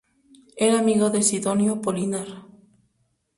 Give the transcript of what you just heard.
Era amigo de Sidonio Apolinar.